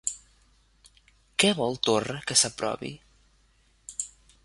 Què vol Torra que s'aprovi?